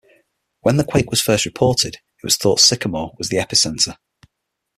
When the quake was first reported, it was thought Sycamore was the epicenter.